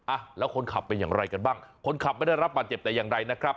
อ่ะแล้วคนขับเป็นอย่างไรกันบ้างคนขับไม่ได้รับบาดเจ็บแต่อย่างใดนะครับ